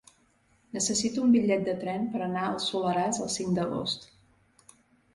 Necessito un bitllet de tren per anar al Soleràs el cinc d'agost.